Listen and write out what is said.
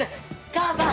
母さん！